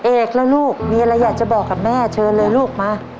เอกแล้วลูกมีอะไรอยากจะบอกกับแม่เชิญเลยลูกมา